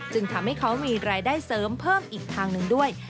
จึงทำให้เขามีรายได้เสริมเพิ่มอีกทางหนึ่งด้วย